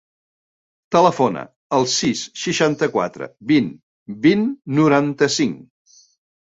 Telefona al sis, seixanta-quatre, vint, vint, noranta-cinc.